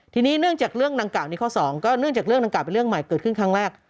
ทีนี้เนื่องจากเรื่องดังกล่าวนี้ข้อสองก็เนื่องจากเรื่องดังกล่าเป็นเรื่องใหม่เกิดขึ้นครั้งแรก